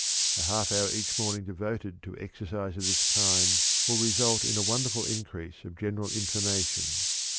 A half hour each evening devoted to exercise of this kind will result in a wonderful increase of general information.